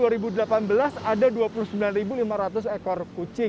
dua puluh sembilan lima ratus ekor kucing kucing liar yang berada di kawasan jakarta selatan